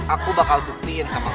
aduh ntar dulu pak